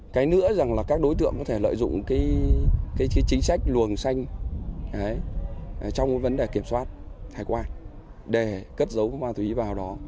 cái nữa rằng là các đối tượng có thể lợi dụng cái chính sách luồng xanh trong vấn đề kiểm soát thải quan để cất giấu ma túy vào đó